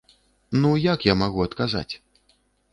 Ну як я магу адказаць?